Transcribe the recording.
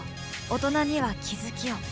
大人には、気づきを。